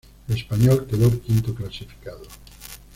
El Español quedó quinto clasificado.